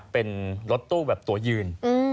เป็นรถตู้แบบตัวยืน